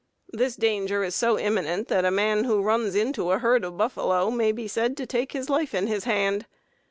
This danger is so imminent, that a man who runs into a herd of buffalo may be said to take his life in his hand.